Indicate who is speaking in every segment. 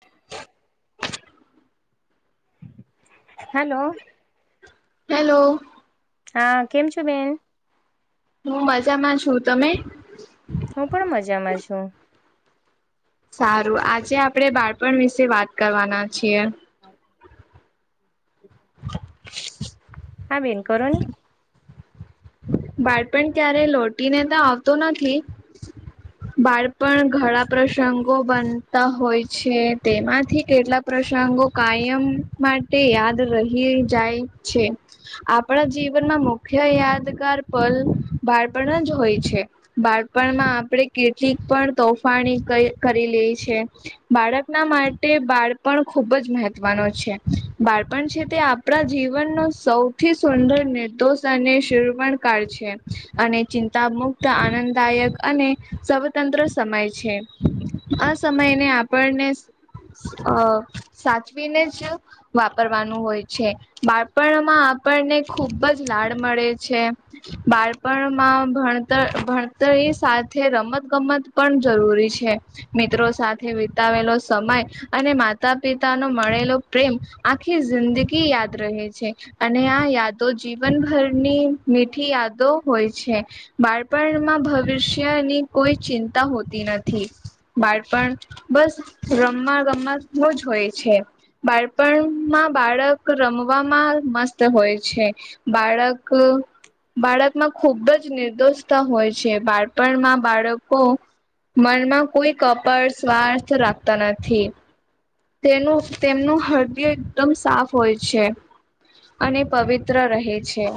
Speaker 1: [inaudible]
Speaker 2: Hello.
Speaker 1: હાલો.
Speaker 2: હા, કેમ છો બેન?
Speaker 1: હું મજામાં છું, તમે?
Speaker 2: હું પણ મજામાં છું.
Speaker 1: સારું, આજે આપડે બાળપણ વિશે વાત કરવાના છીએ.
Speaker 2: હ હા બેન કરોની.
Speaker 1: બાળપણ ક્યારે લોટી ને તો આવતું નથી. બાળપણ ઘણા પ્રસંગો બનતા હોય છે, તેમાંથી કેટલા પ્રસંગો કાયમ માટે યાદ રહી જાય છે. આપણા જીવનમાં મુખ્ય યાદગાર પલ બાળપણ જ હોય છે. બાળપણમાં આપણેે કેટલીક પણ તોફાની કરી લઈ છે. બાળકના માટે બાળપણ ખુબ જ મહત્વનું છે. બાળપણ છે તે આ આપણા જીવન નું સૌથી સુંદર નિર્દોષ અને શરવણ કાળ છે અને ચિંતા મુક્ત આનંદદાયક અને સ્વતંત્ર સમય છે. આ સમયને આપણને અ સાચવીને જ વાપરવાનું હોય છે, બાળપણમાં આપણને ખુબ જ લાડ મળે છે. બાળપણમાં ભણતર ભણતરની સાથે રમત ગમત પણ જરૂરી છે. મિત્રો સાથે વિતાવેલો સમય અને માતા પિતા નો મળેલો પ્રેમ આખી જિંદગી યાદ રહે છે. અને આ યાદો જીવનભરની મીઠી યાદો હોય છે. બાળપણમાં ભવિષ્યની કોઈ ચિંતા હોતી નથી. બાળપણ બસ રમવા રમવા રજ હોય છે. બાળપણમાં બાળક રમવામાં મસ્ત હોય છે. બાળક બાળકમાં ખૂબ જ નિર્દોષતા હોય છે, બાળપણમાં બાળકો મનમાં કોઈ કપાડ સ્વાર્થ રાખતા નથી. તેમનું તેમનું હૃદય એકદમ સાફ હોય છે. અને પવિત્ર રહે છે.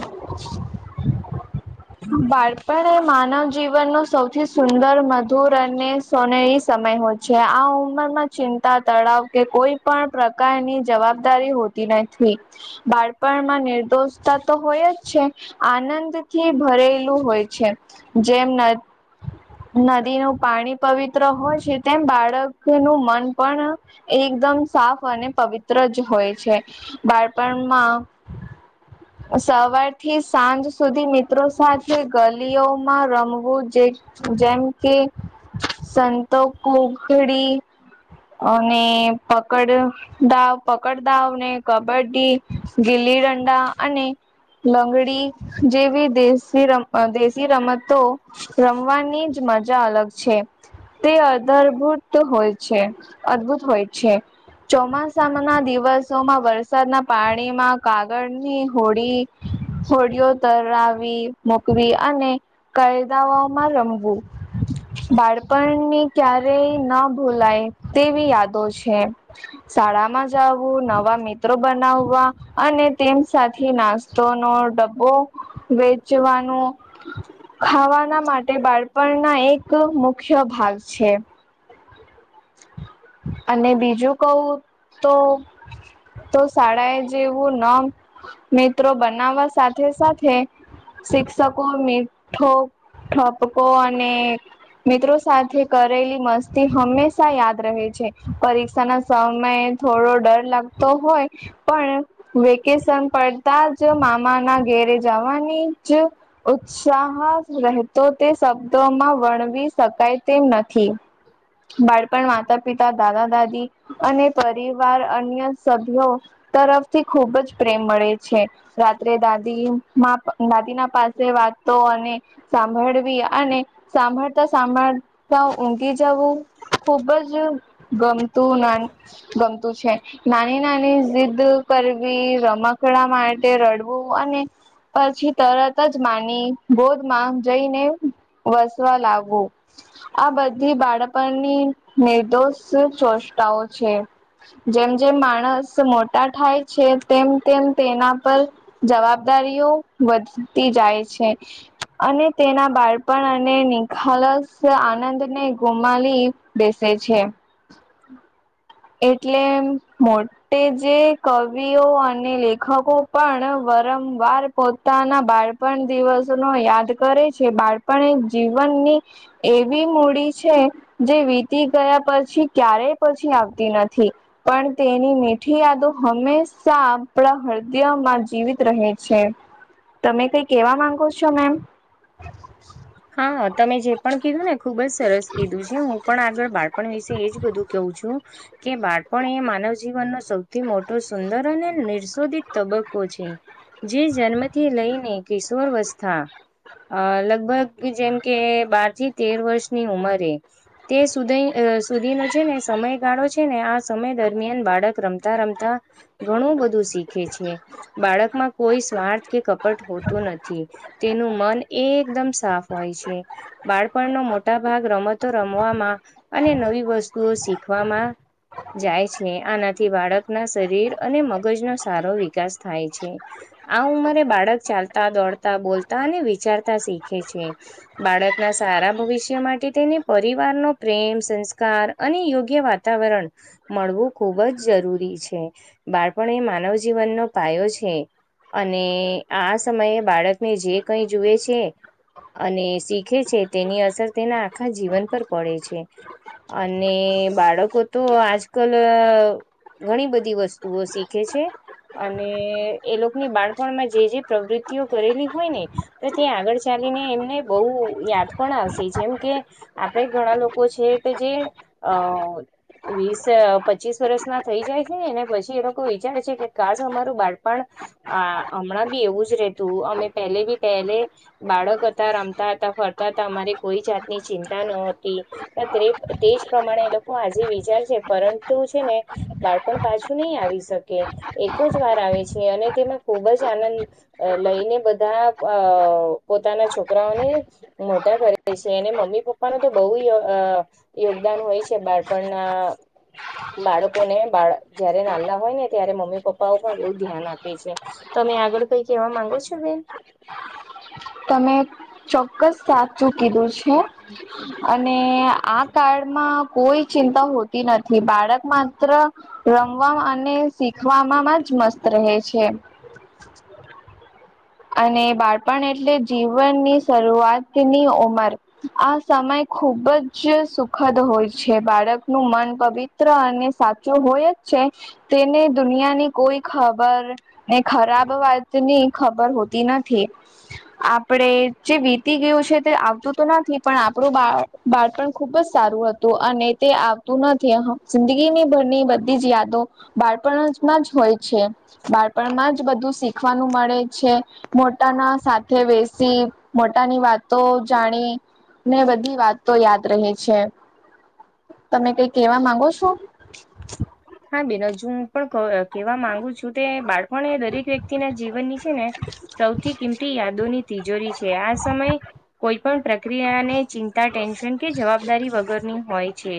Speaker 1: બાળપણ એ માનવ જીવન નું સૌથી સુંદર, મધુર અને સોનેરી સમય હોય છે. આ ઉંમરમાં ચિંતા તળાવ કે કોઈ પણ પ્રકારની જવાબદારી હોતી નથી. બાળપણમાં નિર્દોષતા તો હોય જ છે આનંદી થી ભરેલું હોય છે, જેમના નદી નું પાણી પવિત્ર હોય છે તેમ બાળક નું મન પણ એકદમ સાફ અને પવિત્ર જ હોય છે. બાળપણમાં સવારથી સાંજ સુધી મિત્રો સાથે ગલીઓમાં રમવું જે જેમ કે સંતો કોકડી ને પકડ દાવ, પકડ દાવને કબડ્ડી, ગીલી ડંડા અને બંગડી જે વીદેસ થી રમ દેશી રમતો રમવાની જ મજા અલગ છે તે અદરભુત હોય છે અદભુત હોય છે ચોમાસા ના દિવસોમાં વરસાદના પાણીમાં કાગળની હોડી હોડીઓ તરાવી, મુકવી અને કાયદાઓ માં રમવું બાળપણની ક્યારેય ના ભૂલાય તેવી યાદો છે. શાળા માં જાવ ઓ નવા મિત્રો બનાવવા, અને તેમ સાથે નાસ્તો નો ડબ્બો વેચવાનું, ખાવાના માટે બાળ પણના એક મુખ્ય ભાગ છે. અને બીજું કવ તો તો શાળાએ જેવું નમ મિત્રો બનાવસ સાથે સાથે શિક્ષકો ની થો ઠોપકો અને મિત્રો સાથે કરેલી મસ્તી હંમેશા યાદ રે છે, પરીક્ષાના સમયે થોડો ડર લાગતો હોય પણ વેકેશન પડતા જ મામાના ઘેરે જવાની જ ઉછ ચાહત રહેતો તે શબ્દોમાં વર્ણવી શકાય તે નથી બાળપણ માતા-પિતા, દાદા-દાદી, અને પરિવાર અન્ય સભ્યો તરફથી ખુબ જ પ્રેમ મળે છે. રાત્રે દાદીમાં દાદી ના પાસે વાતો અને સાંભળવી અને સાંભળતા સાંભળતા ઊંઘી જવું. ખૂબજ ગમતું ના ગમતું છે, નાની નાની જિદ કરવી રમકડા માટે રડવું અને પછી તરત જ માની, બોધ માં જઈને. વસવા લાવો, આ બધી બાળપણ ની નેદો સૂચોસતાઓ છે જેમ જેમ માણસ મોટા થાય. છે, તેમ તેમ તેના પર જવાબદારીઓ વધતી જાય છે. અને તેના બાળપણ અને નિખાલસ આનંદને ગુમાલી બેસે છે. એટલે મોટે જે કવિઓ અને લેખકો પણ વરંવાર પોતાના બાળપણ દિવસોનો યાદ કરે છે બાળ પણ જીવનની. એવી મૂડી છે, જે વીતી ગયા પછી ક્યારે પછી આવ તી નથી. પણ તેની મીઠી યાદો હંમેશા આપણા હૃદયમાં જીવિત રહે છે. તમે કઈ કેવા માંગો છો મેમ?
Speaker 2: હા તમે જે પણ કીધું ને ખુબ જ સરસ કીધું છે, હું પણ આગળ બાળપણ વિશે એજ બધું કવું છું. કે બાળપણ એ માનવ જીવનનો સૌથી મોટો સુંદર અને નિર્શોધિત તબક્કો છે. જે જન્મથી લઈને કિશોરવસ્થા અ લગભગ જેમ કે બાર થી તેર વર્ષની ઉંમરે તે સુધી અ સુધીનો છે ને સમયગાળો છે ને આ સમય દરમિયાન બાળક રમતા રમતા ઘણું બધું શીખે છે બાળકમાં કોઈ સ્વાર્થ કે ક પટ હોતું નથી તેનું મન એકદમ સાફ હોય છે. બાળપણનો મોટા ભાગ રમતો રમવામાં અને નવી વસ્તુઓ શીખવામાં જાય છે આનાથી બાળકના શરીર અને મગજનો સારો વિકાસ થાય છે. આ ઉંમરે બાળક ચાલતા દોડતા બોલતા અને વિચારતા શીખે છે. બાળકના સારા ભવિષ્ય માટે તેને પરિવારનો પ્રેમ સંસ્કાર અને યોગ્ય વાતાવરણ મળવું ખૂબ જ જરૂરી છે બાળપણ એ માનવ જીવનનો પાયો છે. અને આ સમયે બાળકને જે કઈ જુએ છે. અને શીખે છે તેની અસર તેના આખા જીવન પર પડે છે. અને બાળકો તો આજ કલ ઘણી બધી વસ્તુઓ શીખે છે. અને એ લોકોની બાળપણમાં જે જે પ્રવૃતિઓ કરેલી હોય ને. તો ત્યાં આગળ ચાલીને એમને બહુ યાદ પણ આવશે જેમ કે આપડે ઘણા લોકો છે તે જે અ વીસ પચીસ વર્ષ ના થઈ જાય છે ને એને પછી એ લોકો વિચારે છે કે કાસ અમારું બાળપણ આ હમણાં બી એવું રહેતું અમે પહેલે બી પહેલે બાળક રમતા હતા ફરતા હતા અમારે કોઈ જાતની ચિંતા ન હોતી. તેજ પ્રમાણે એ લોકો આજે વિચાર છે પરંતુ છે ને બાળપણ પાછું નઈ આવી શકે એક જ વાર આવે છે અને તેમાં ખુબ જ આનંદ અ લઈને બધા અ પોતાના છોકરાઓને મોટા કરે છે એને મમ્મી પપ્પાનો તો બઉ અ યોગદાન હોય છે બાળપણના બાળકોને બાળ જ્યારે નાલ્લા હોય ને ત્યારે મમ્મી પપ્પાઓ પણ બહુ ધ્યાન આપે છે. તમે આગળ કઈ કેવા માંગો છો બેન.
Speaker 1: તમે ચોક્કસ સાચું કીધું છે અને આ કાળમાં કોઈ ચિંતા હોતી નથી બાળકમાત્ર રમવામાં અને શીખવામા માં જ મસ્ત રહે છે. અને બાળપણ એટલે જીવનની શરૂઆતની ઉંમર. આ સમય ખુબ જ સુખદ હોય છે, બાળકનું મન પવિત્ર અને સાચો હોય જ છે. તેને દુનિયાની કોઈ ખબર ને ખરાબ વાતની ખબર હો તી નથી. આપડે જે વીતી ગયું છે તે આવતું તો નથી પણ આપણું બાળ બાળપણ ખુબ જ સારું હતું અને તે આવતું નથી, જિંદગીની ભરની બધી જ યાદો બાળપણમાં જ હોય છે, બાળપણમાં જ બધું શીખવાનું મળે છે. મોટાના સાથે બેસી મોટાની વાતો જાણી. ને બધી વાતો તો યાદ રહે છે, તમે કઈ કેવા માંગો છો?
Speaker 2: હા બેનજ હું પણ કેવા માંગુ છું તે બાળ પણની દરેક વ્યક્તિના જીવનની છે ને સૌથી કિંમતી યાદોની તિજોરી છે, આ સમય કોઈ પણ પ્રક્રિયાને ચિંતા ટેન્શન કે જવાબદારી વગરની હોય છે.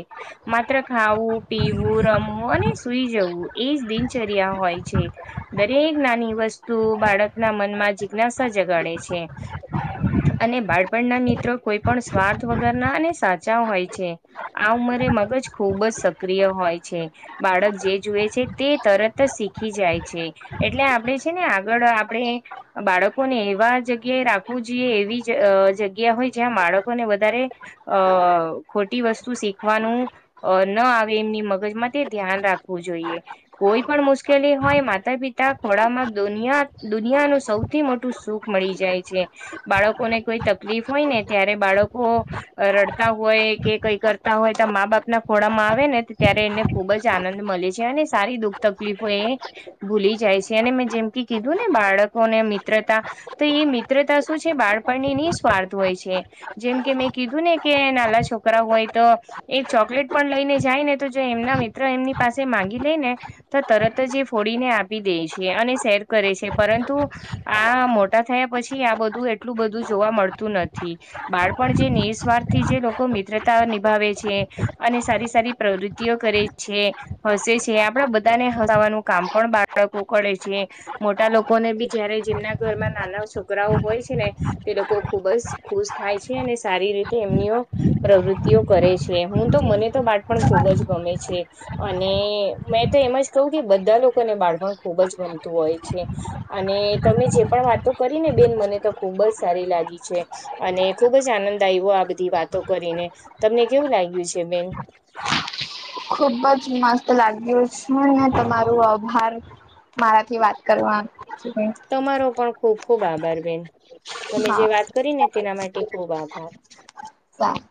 Speaker 2: માત્ર ખાવું પીવું રમવું મને સુઈ જવું એજ દિનચર્યા હોય છે. દરેક નાની વસ્તુ બાળકના મનમાં જિજ્ઞાસા જગાડે છે. અને બાળપણના મિત્રો કોઈપણ સ્વાર્થ વગરના અને સાચા હોય છે. આ ઉંમરે મગજ ખુબ જ સક્રિય હોય છે. બાળક જે જુએ છે, તે તરત જ શીખી જાય છે. એટલે આપણે છે, ને આગળ આપણે બાળકોને એવા જગ્યાએ રાખવું જોઈએ, એવી અ જગ્યા હોય જ્યાં બાળકોને વધારે અ ખોટી વસ્તુ શીખવાનું ન આવે એમની મગજમાં તે ધ્યાન રાખવું જોઈએ. કોઈપણ મુશ્કેલી હોય માતા- પિતા ખોડામાં દુનિયા દુનિયાનું સૌ સૌથી મોટું સુખ મળી જાય છે. બાળકોને કોઈ તકલીફ હોય ને ત્યારે બાળકો રડતા હોય કે કંઈક કરતા હોય તો મા -બાપના ખોડામાં આવે ને ત્યારે એને ખુબ જ આનંદ મળે છે અને સારી દુઃખ તકલીફો એ ભૂલી જાય છે અને મેં જેમ કે કીધુંને બાળકોને મિત્રતા તો એ મિત્રતા શું છે બાળપણની નિસ્વાર્થ હોય છે. જેમ કે મેં કીધુંને કે નાલા છોકરા હોય તો, એ ચોકલેટ પણ લઈને જાય નેતો જો એમના મિત્ર એમની પાસે માંગી લેયને, તો તરત જ એ ફોડીને આપી દે છે અને સેર કરે છે, પરંતુ આ મોટા થયા પછી આ બધું એટલું બધું જોવા મળતું નથી. બાળપણ જે નિઃસ્વાર્થથી જે લોકો મિત્રતા નિભાવે છે અને સારી સારી પ્રવૃત્તિઓ કરે છે, હસે છે. આપણા બધાને હસવાનું કામ પણ બાળકો કરે છે. મોટા લોકોને ભી જયારે જેમના ઘરમાં નાના છોકરાઓ હોય છે, ને તે લોકો ખુબ જ ખુશ થાય છે અને સારી રીતે એમનીઓ પ્રવૃત્તિઓ કરે છે. હું તો મને તો બાળપણ ખુબ જ ગમે છે. અને મેં તો એમ જ કહું કે બધા લોકોને બાળપણ ખુબ ગમતું હોય છે. અને તમે જે પણ વાતો કરીને બેન મને તો ખુબ જ સારી લાગી છે. અને ખુબ જ આનંદ આયવો આ બધી વાતો કરીને તમને કેવું લાગ્યું છે બેન?
Speaker 1: ખુબ જ મસ્ત લાગ્યુ ને તમારું આ ભાર મારાથી વાત કરવાને
Speaker 2: તમારો પણ ખુબ ખુબ આભાર બેન. તમે જે
Speaker 1: હા
Speaker 2: વાત કરીને તેના માટે ખુબ આભાર.
Speaker 1: સારુ.